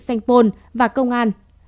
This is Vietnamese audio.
sanh phôn và công an